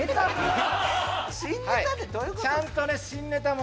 新ネタってどういうこと？